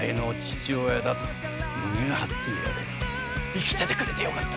生きててくれてよかった。